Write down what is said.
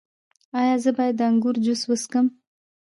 ایا زه باید د انګور جوس وڅښم؟